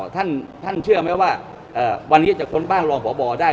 ท่านเชื่อไหมว่าวันนี้จะค้นบ้านรองพบได้